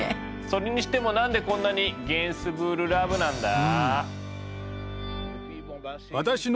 それにしても何でこんなにゲンスブールラブなんだ？